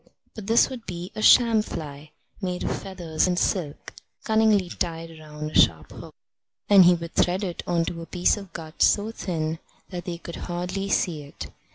But this would be a sham fly, made of feathers and silk, cunningly tied round a sharp hook, and he would thread it on to a piece of gut so thin that they could hardly see it.